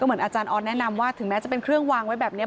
เหมือนอาจารย์ออสแนะนำว่าถึงแม้จะเป็นเครื่องวางไว้แบบนี้